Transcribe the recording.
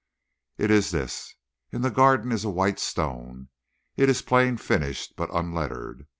It is this: In the garden is a white stone. It is plain finished but unlettered.